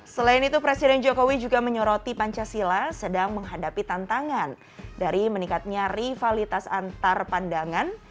selain itu presiden jokowi juga menyoroti pancasila sedang menghadapi tantangan dari meningkatnya rivalitas antar pandangan